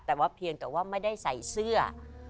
แต่ว่าเพียงแต่ว่าไม่ได้ใส่เสื้อ